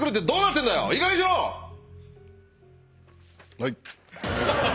はい。